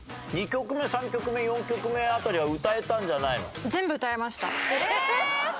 ２曲目３曲目４曲目辺りは歌えたんじゃないの？